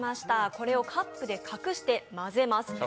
これをカップで隠してまぜます。